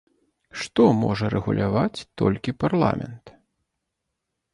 Што можа рэгуляваць толькі парламент?